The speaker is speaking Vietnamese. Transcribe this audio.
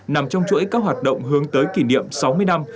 nằm trong chuỗi các hoạt động hướng tới kỷ niệm sáu mươi năm